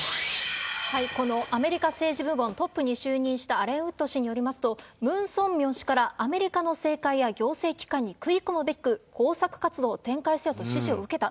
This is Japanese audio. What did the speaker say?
このアメリカ政治部門トップに就任したアレン・ウッド氏によりますと、ムン・ソンミョン氏からアメリカの政界や行政機関に食い込むべく、工作活動を展開せよと指示を受けた。